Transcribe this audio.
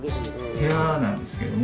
部屋なんですけども。